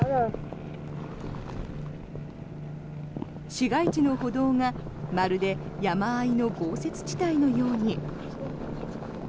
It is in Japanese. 市街地の歩道が、まるで山あいの豪雪地帯のように。